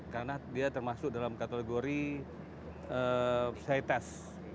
karena dia termasuk dalam kategori cites